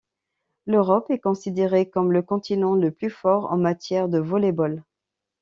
L'Europe est considérée comme le continent le plus fort en matière de volley-ball.